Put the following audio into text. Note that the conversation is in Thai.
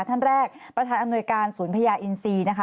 ท่านแรกประธานอำนวยการศูนย์พญาอินซีนะคะ